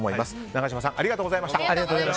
永島さんありがとうございました。